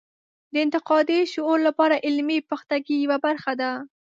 د انتقادي شعور لپاره علمي پختګي یوه خبره ده.